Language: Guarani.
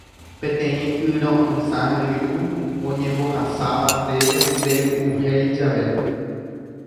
Peteĩ yro'ysã ryru oñembohasáva ndéve nde'yuhéi jave